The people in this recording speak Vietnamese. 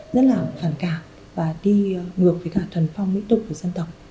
rất là phản cảm và đi ngược với cả thuần phong mỹ tục của dân tộc